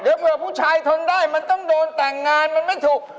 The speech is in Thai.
เดี๋ยวเผื่อผู้ชายทนได้มันต้องโดนแต่งงานมันไม่ถูก